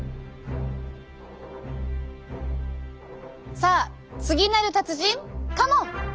さあ次なる達人カモン！